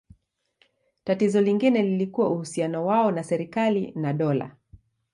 Tatizo lingine lilikuwa uhusiano wao na serikali na dola.